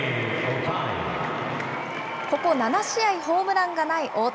ここ７試合、ホームランがない大谷。